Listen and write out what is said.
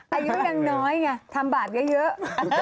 อายุยังน้อยไงทำบาทเยอะ